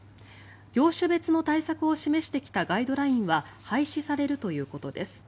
業種別の対策を示してきたガイドラインは廃止されるということです。